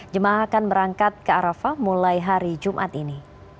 jemaah akan berangkat ke arafah mulai hari jumat ini